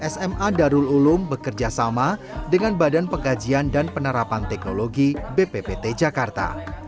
sma darul ulum bekerja sama dengan badan pengkajian dan penerapan teknologi bppt jakarta